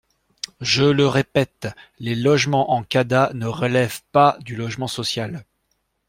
Je le répète : les logements en CADA ne relèvent pas du logement social.